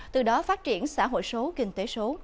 từ đó phát triển xã hội số kinh tế số